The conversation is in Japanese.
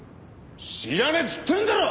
知らねえっつってんだろ！